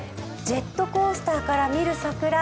ジェットコースターから見る桜